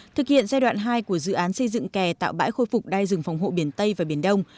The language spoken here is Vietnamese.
thực hiện giai đoạn hai của dự án xây dựng kè tạo bãi khôi phục đai rừng phòng hộ biển tây và biển đông